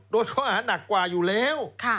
โดนข้อหานักกว่าอยู่แล้ว